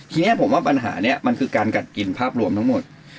ทีนี้ผมว่าปัญหานี้มันคือการกัดกินภาพรวมทั้งหมด